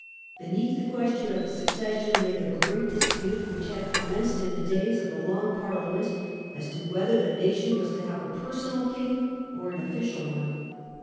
Beneath the question of the succession lay the great dispute, which had commenced in the days of the Long Parliament, as to whether the nation was to have a personal king or an official one.